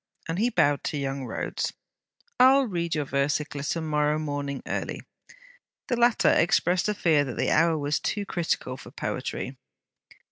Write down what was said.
and he bowed to young Rhodes: 'I 'll read your versicler to morrow morning early.' The latter expressed a fear that the hour was too critical for poetry.